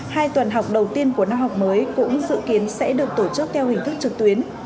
hai tuần học đầu tiên của năm học mới cũng dự kiến sẽ được tổ chức theo hình thức trực tuyến